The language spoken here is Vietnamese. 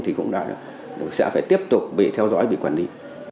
thì cũng sẽ phải tiếp tục bị theo dõi bị quản lý